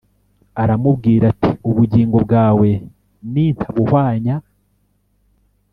Aramubwira ati ubugingo bwawe nintabuhwanya